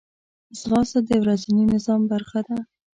ځغاسته د ورځني نظام برخه ده